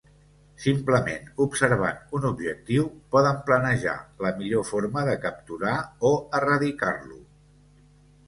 Simplement observant un objectiu poden planejar la millor forma de capturar o erradicar-lo.